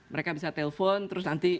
mereka bisa telpon terus nanti